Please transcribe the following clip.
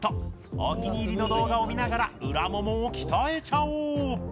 お気に入りの動画を見ながら裏ももを鍛えちゃおう！